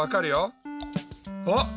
あっ！